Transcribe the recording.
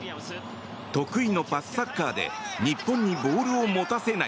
得意のパスサッカーで日本にボールを持たせない。